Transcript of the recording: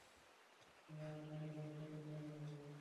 না, দাড়ি কাটতে যেতে হবে।